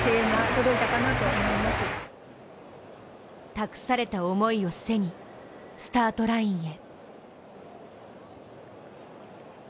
託された思いを背に、スタートラインへ。